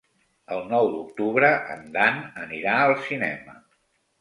El nou d'octubre en Dan anirà al cinema.